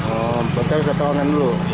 oh maksudnya harus dapet online dulu